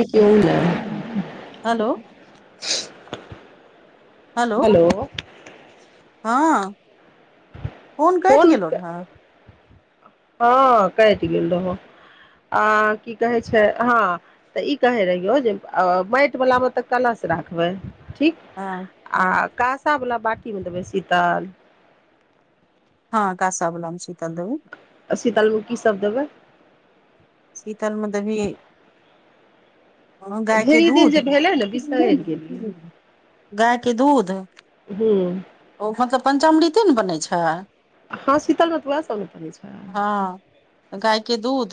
कियो एलै हम्म। हेलो हेलो हँ फोन कटि गेलहु हँ कैट गेल रहौ आ की कहे छै हँ तऽ ई कहे रहियौ जे अ माटि वला मे तऽ कलश राखबै ठीक हँ आ हँ कासावला बाटीमे देबै शीतल हँ कांसा बलामे शीतल देबय आ शीतलमे की सभ देबै शीतल मे देवहि हं गाय के ढेरी दिन दूध जे भेलै ने बिसरि गेलियै गायके दूध हूँ ओ मतलब पञ्चमृति ने बनै छै हँ शीतल मे तऽ वएह सब ने पड़ै छै हँ गाय के दूध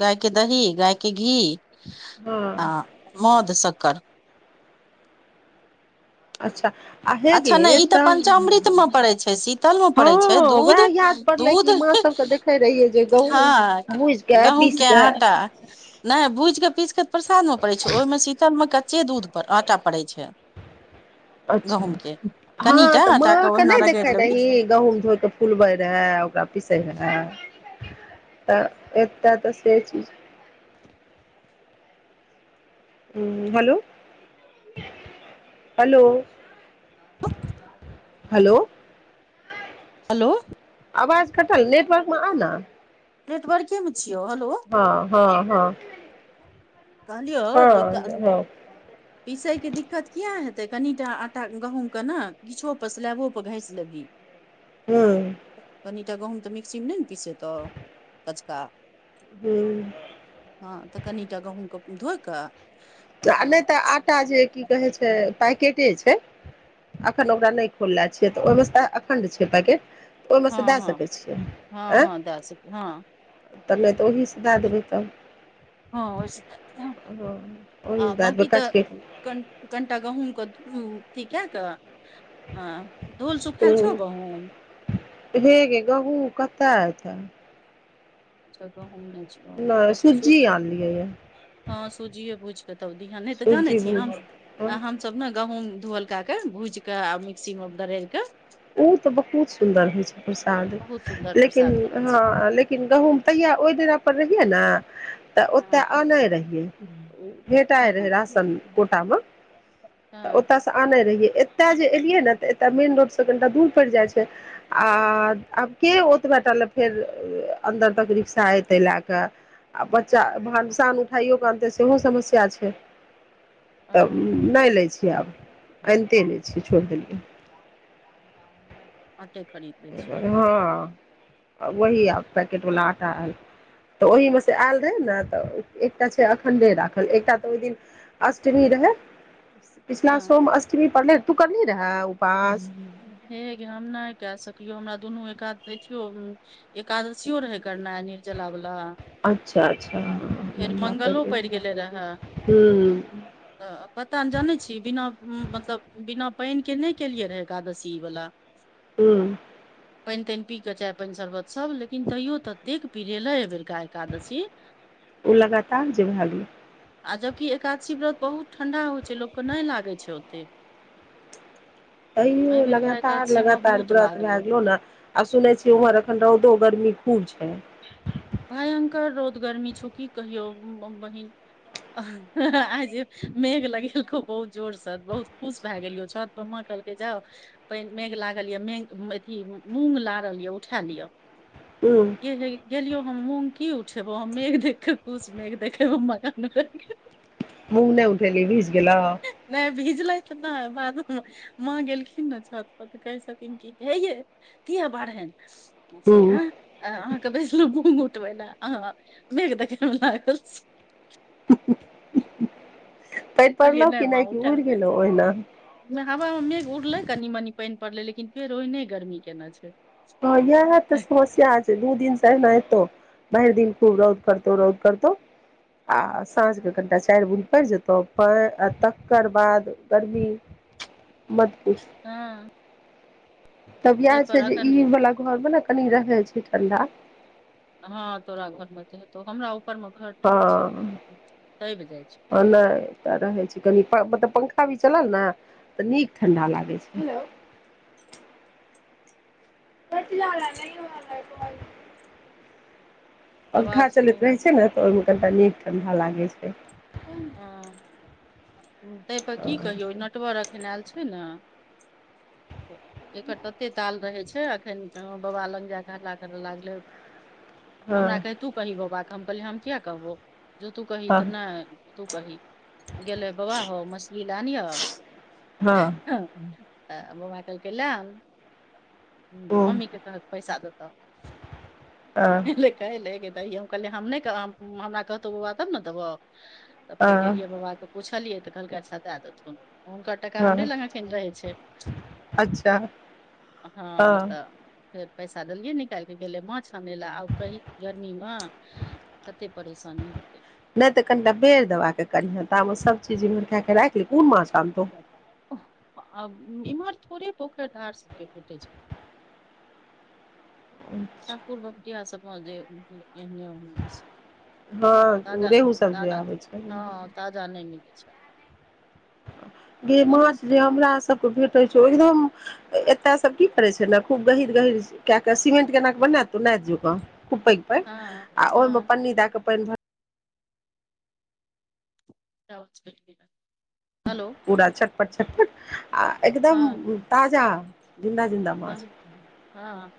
गाय के दही गाय के घी हँ आ मधु शत कर अच्छा आ हे अच्छा गे नहि ई तऽ पंचामृत मे पड़ै छै शीतल मे हँ पड़ै छै दूध ओहए याद पड़ले दूध कि मां स बके देखे रहियै जे गहूंम हँ भूजिके गहूँम के पीसके आटा नहि भूजि कऽ पीस कऽ प्रसाद म पड़ै छै ओहिमे शीतल मे कच्चे दूध पर आटा पड़ै छै अच्छा गंहूमके हँ तऽ माँके नहि देखने रही गहुंम धोइ क फुलबै रहए ओकरा पिसै रहए तऽ एतऽ तऽ से चीज हुं हेलो हेलो हेलो हलो अवाज कटल नेटवर्क म आ न रेट बढ़ केम हँ हँ हँ कहलियौ जे हँ हँ हँ पिसैके दिक्कत की किया हेतै कनिटा आटा गहूँम के ने किछो पर स्लैबो पर घसि लेबही ह्म एकटा गहूंम तऽ मिक्सी मे नहि ने पिसेतऽ कचका ह हँ तऽ कनिटा गहूमके धोए कऽ आ नहि हँ तऽ आटा जे की कहै छै पैकेट अखन ओकरा नही खुला छै अखणड पैकेट ओहिमे सँ हँ दए हँ सकै छियै हँ हँ दशक हँ तऽै तऽ ओहीसँ दए देबै तब हँ ओहिसँ दए दिहँ ह आ बकी तऽ क कनिटा गहुंमके अथी कए कऽ आ धूल सुखाय हूँ छ गहुंम तछा ज नहि छ नहि तब तऽ सुज्जी स आनलियै ये हँ सूजी बुझ कतौ धान नहि तऽ जानै सुज्जी छीिय भुज हम ओ हमस ने गहुूँम धोअलक के भूजि के आ मिक्सी मे दरिर के ओ तऽ बहुत सुन्दर होइ छै प्रसाद बहुत सुन्दर लेकिन प्रसाद बनै छै हॅं लेकिन गहुंम तहिया ओहि डेरा पर रहियै ने तऽ ओतय हँ आन रहियै भेटाइ हँ रहय हँ राशन कोटामे तऽ हँ ओतयसँ आने रहियै एतय जे एलियै ने तऽ ए मेन रोड तखन तऽ दुर पर जाय छै अब के ओतबे आटा ले फेर अंदर तक सा हइ ताहि लए कऽ आ बच्चा भ साँान उठाइयओ कऽ आनतै सेहो समस्या छै तब हँ नहि लै छियै आब आनिते नहि छियै छोड़ि देलियै आटे खरीद लै छी हँ वही आब पैकेटवला आटा आल तऽ ओहीमे सँ आयल रहै ने तऽ एकटा छै अखणडे राखल एकटा तऽ ओहि दिन अष्टमी रहै ब पिछला हँ सोम अष्टमी पढ़ने तू कर नी रह उपास केो हमरा दुनू एक एथियो एकादशियो रहे करना निर्जला वालला अच्छा अच्छा ह कर मंगलो पड़ि गेलै रहए हू तऽ पता ने जानै छी बिना मतलब बिना पानि के नहि केलियए रहै एकादशी वालला ह्म पानि तानि पी क चाय पानि शरबत सब लेकिन तैयो तऽ देख पीे ले ए बेर ओ लगातार जे भै गैले आ जबकि एकादशी व्रत बहुत ठंढा होइ छै लोकके नहि लागै छै ओतेक तैयो लगातार लगातार बहुत व्रत भए लागलै गेलो ने आ सुनै छियै उम्हर एखन रौदो गर्मी खूब छै भयंकर रोदगर्मी छो की कहियौ बहिन आइ जे मेघ लगेलको बहुत जोरसँ बहुत खुश भए गेलियो छत पर म कहलकै जाउ पान मेघ लागल या मेघ अथी मूग लारल यऽ उठा लिअ हूँ गेललियौ की उठेबौउ देख खुश मेघ देखेब मगन मूँग नहि उठेल भीज गेलेऊ बुझलथि बाद माँ गेलखिन ने छत पर त कहे छथिन कि हेये कििया बढ़नि से हूँ आ मुूग उठबै ने अ मेघ देखे मे लाग गेल छी [inaudible] [inaudible] पानि कहलियए पड़लौ नहि कि माँ हम कि उठा उड़ि देै गेलौ ओहिना ह ड़ले कनी मनी पानि पड़ले लेकिन फेर ओहिने गर्मी केने छै ह य ह तऽ समस्या आ छै दू दिन सॅं एनहतो भयिर दिन खूब रौद करतौ रौद करतौ आ साँझके कनि टा चारि बुनि पड़ि जेतहु पानि आ तकर बाद गर्मी मतपूछ हँ तब इएह ताहि पर छै जे अखन ई वला घरमे ने कनि रहै छै ठण्ढा हँ तोहरा घर में तऽ हेतौ हमरा ऊपर मे घर नहि छै हँ दबि जाइ छै नहि तऽ रहै छी कनी पंखा पंखा भी चलल ने तऽ नीक ठण्डा लागै छै बट ल ला पङखा आवाज चलैत हँ रहै छै ने तऽ ओहिमे कनिटा नीक ठण्डा लागै छै हँ ताहिपर की कहियौ नटवर एखन आयल छै ने एकर तते ताल रहै छै एखन बाबा ल जा हल्ला कर लागले हमरा हँ कहैय तु कही बाबा क हम कहलिय हम किया कहबो जो तू कही हँ हँ तऽ नहि तू कही गेले बाबा हौ मछली लानिह हँ बाबा कहलकै लेए आन ह ओ मम्मी के कह पैसा देत हँ एलैय कहल लेल हम नहि कहबौ हमरा कहतौ बाबा तब ने देबौ तब फेर गेलियै हँ बाबा के पुछैले लियै तऽ कहलकै अच्छा दए देथुन हुनकर टाका हमरे हँ लग एखन रहै छै अच्छा हँ तऽ फेर पैसा देलियए निकालि क गेले माछ आनय लए आउ कहि गर्मी मे कतेक परेशानी हेतै नहि तऽ कनिटा बेर दबाक कनि तामे सभ चीज इम्हर कए क राख लिहं कोन माछ आनतौ आ इ [unintelligible] थोड़े पोखरि धार सबके केटे छै हँ ठाकुर बबती आ सभमे जे एहने हँ ओ ताजा रेहू सब जे ताजा आबै छै हँ ताजा नहि मिलै छै गे ओना माछ जे हमरा सबके भेटै एकदम एतय सब की करे छै ने खूब गहीर गहीर क के सीमेंट केना के बनातो नहि पैघ पैघ हा वहि मे हा पन्नी दऽ कऽ पानि भरै जा [unintelligible] पूरा छटपट छटपट आ एकदम ताजा जिन्दा जिन्दा त माछ हँ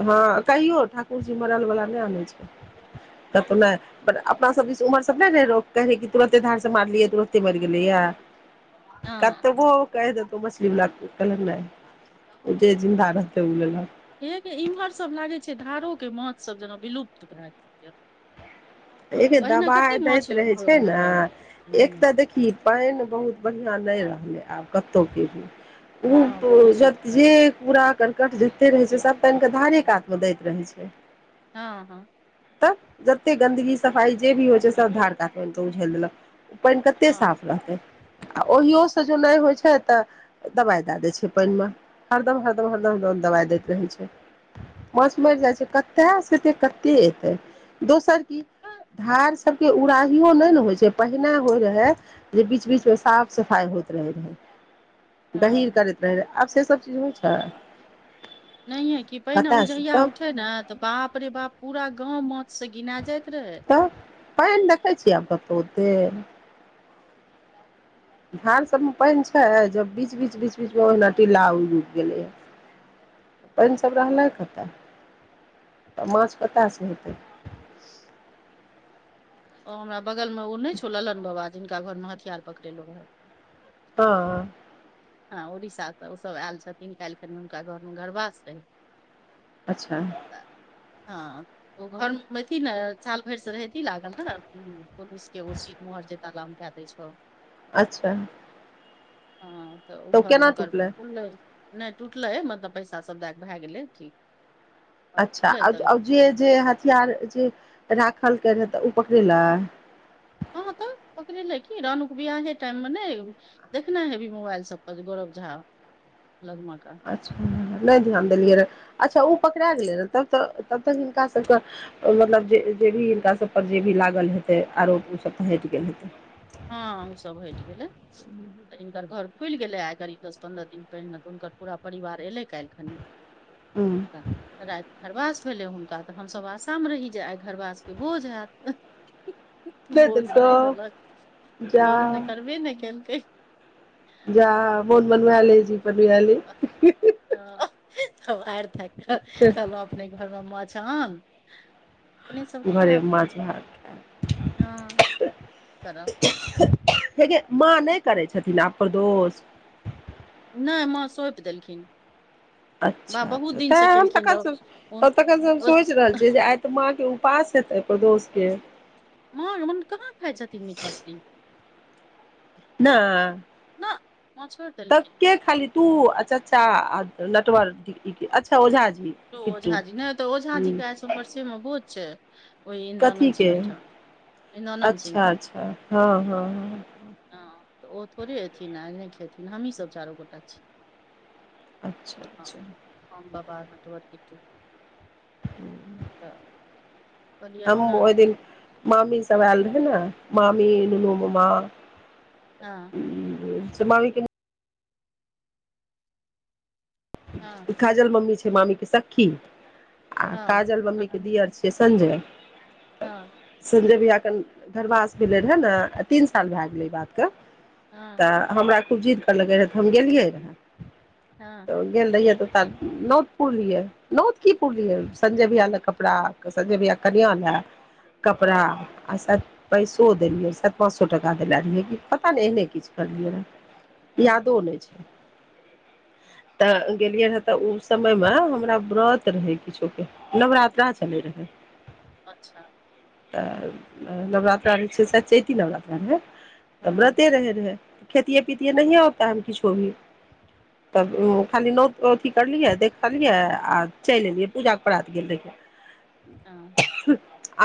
हँ कहियो ठाकुरजी मरल वला नहि आनै छै कतहु ने अपना सब उमर सब ने रह कहे कि तुरते धार से मारलियै तुरते मरि गेलै य हँ कतबो कहि देतौ मछली वला कहलक नहि ओ जे जिन्दा रहतै ओ हेगे इम्हरसभ लागै छै धारोके माछसभ जेना विलुप्त भए गेलए एगे दबाइ दैत रहै होय छै ने रहै एक तऽ हँ देखी पानि बहुत बढ़िआँ नहि रहलै आब कतहुके भी ओ ज प्रदूषित जे भए कूड़ा कर्कट जते रहे छै सब आनिके धारे कात मे दैत रहे छै हँ हँ [inaudible] तऽ जतेक गंन्दगी सफाइ जे भी होइ छै सभ धार कातमे आनिक उझैल देलक ओ पानि कते हँ साफ रहतै आ ओहियो से जो नहि होइ छै तऽ दवाई दए देय छै पानि मे हरदम हरदम हरदम हर दवाई दैत रहै छै माछ मरि जाइ छै कते सेत कते दोसर की धार सबके उड़ाहियो नहि ने होइ छै पहिने होय रहै जे बीच बीच मे साफ सफाई हो रहै गहीर हँ करैत रहै रहै आब से सब चीज होइ छै नै की पैने कतयसँ उजहिया तब उठे ने तऽ बाप रे बाप पूरा गाँव माछ से घिना जायत तऽ पानि देखै छियै आब कतहु ओतेक धार सभमे पानि छय ज बीच बीच बीच बीचमे ओहिना टिलला उगि गेलैए पानिसभ रहलइ कतय तऽ माछ कतऽ से हेतय ओ हमरा बगलमे ओ नहि छौ लल्न बाबा जिनका घरमे हथियार पकड़ेलहुँ रहए ह हँ उड़ीसासँ ओसभ आयल छथिन काल्हि कनि हुनका घरमे गरबासँ रहय अच्छा हँ ओ घर मे हेथि ने साल भरि से रहथि लागल ने प वेसी मुहर जे तालाम कए दै छौ अच्छा हँ तऽ ओ घर हुनकर टुटलै ह मतलब पैसा सब दए भए गेलै ठिक अच्छा जे जे हथियार जे खलकै नहि तऽ ओ पकड़े लै पकड़े लै की रानुक बियाहे टाइम मे नै देखने हे भी मोबाइल सब पर गौरब झा ह लगमा के अच्छा [inaudible] नहि ध्यान देलियै रऽ अच्छा ओ पकड़ा गेलै रहऽ तब तऽ तब तक हिनका सबके मतलब जे जे भी हिनका सब पर जे भी लागल हेतै आरोप ओ सब तऽ हटि गेल हेतै हँ ओ सब हटि गेलै तऽ हिनकर घर खुलि गेलै आइ करीब दस पन्द्रह दिन पहिने तऽ हुनकर पूरावार एलै काल्हि खन हुं तऽ राति घरबास भेलै हुनका तऽ हमसभ आशा मे रही जे आइ घरवासके बोझ हाएत नहि बोझ देलकौ नहि देलक जा बोझ नै करबे ने केलकै जा मोन मनमेल जी पन भ अल तब हाएर थाएक कऽ कहलहु अपने घरमे माछ आन अपने सभ घरे खायब माछ भात खा। हँ करब हेगे माँ नहि करै छथिन आब प्रदोष नहि माँ सोंपि देलखिन माँ अच्छा बहुत अच्छा तै दिनसँ हम केलखिन रह तखन हुन तखन हम ओ सोचि रहल छियै जे आय त माँके उपास त दोसके माँ मन कहाँ खाय छथिन मीट मछली न ना माँ छोड़ि त देलखिन के खाली तू चच्चा ता नेटवर्क अच्छा ओझा जी तो किट्टी ओझाजी नहि तऽ ओझाजी के आइ ह सोमबरसे मे भोज छै ओहि कथी इन्द्रानन्द के सिंह ठाम इन्द्रानन्द सिंह अच्छा कन अच्छा हँ हँ हँ हँ तऽ ओ थोड़े एथिन आ ए नहि खेथिन हमहीसभ चारू गोटा छियै अच्छा अच्छा अ बा ब मट पड़ कटु कहलियै हम ओना ओहि दिन मामी सब आएल रहै मामी दुनू मामा हँ मामी के हँ खाजल मम्मी छै मामी के सखी आ हँ काजल मम्मी हँ के दियर छियै संजय हँ संजय भयाक [inaudible] तीन साल भऽ गेलै बात हँ कऽ हम खूब जिद कर लगै रहै तऽ हम गेलियै रहए त हँ गेल रहियै तऽ त नोत पुरलियै नोत की पुरलियै संजय भया ल कपड़ा संजय भया कनिया ल कपड़ा आ शायद पैसो देलियैै पाँच सो टका देले रहिैयै की पता नहि एहने किछु करलियै रहे हँ यादो नहि छै तऽ गेलियै रहे तऽ ओ समय मे हमरा व्रत रहे किछु के नवरात्रा चले रहे [unintelligible] अच्छा तऽ नवरात्रा रहै छै स्चैती नवरात्रामे तऽ हँ व्रते रहैत रहै खेतिये पीतिये नहिे आ त किछो भी तब खाली नोत अथी करलियै देखलियै आ चलि एलियै पूजा प्रात गेल रहियै खं हँ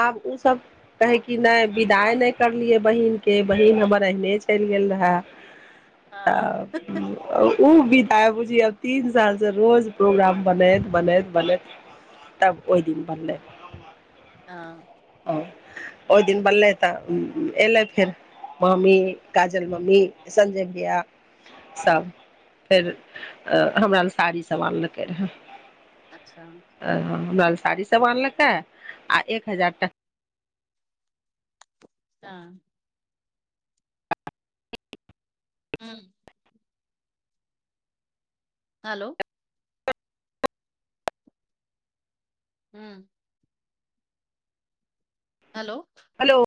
आब ओ सब कहे की नहि विदाइ नहि करलियै बहिन के बहीन हमर एहने छल ग है त हँ ओ आय बूजीयो श तीन साल से रोज प्रोग्राम बनैत बनैत बनैत तब ओहि दिन बनलै आ ओहि दिन बललै तऽ एलै फेर ममी काजल मम्मी संजय भैया सब फेर हमरा ल साड़ी सब आानलकै रहए अच्छा हमरा ल साड़ी सब आनलकै आ एक हजार टका त हँ हलो हू हेलो हेलो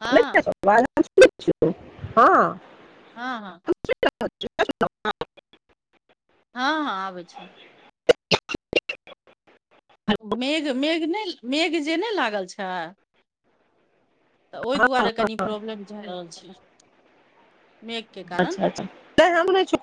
हँ हँ हँ हँ ह चुपे छलौ अहां हँ हँ आबै छ मेघ मेघ नहि मेघ जे नहि लागल छै तऽ ओहि दुआरे कनि प्रॉब्लम भए रहल छलै अच्छा अच्छा नहि हम नहि खेवौ